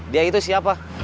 dia itu siapa